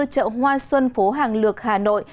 chợ hoa xuân phố hàng lược hà nội